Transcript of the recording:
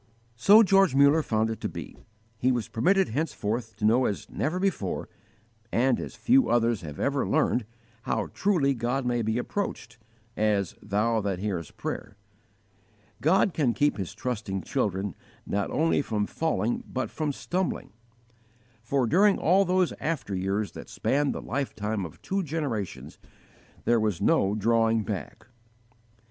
So George Muller found it to be. He was permitted henceforth to know as never before, and as few others have ever learned, how truly God may be approached as "Thou that hearest prayer." God can keep His trusting children not only from falling but from stumbling; for, during all those after years that spanned the lifetime of two generations, there was no drawing back.